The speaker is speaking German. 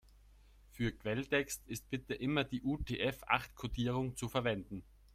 Für Quelltext ist bitte immer die UTF-acht-Kodierung zu verwenden.